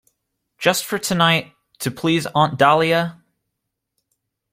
Just for tonight, to please Aunt Dahlia?